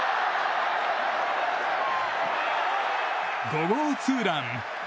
５号ツーラン！